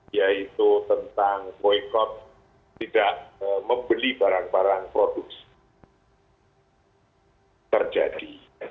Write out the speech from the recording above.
yaitu tentang boycott tidak membeli barang barang produk terjadi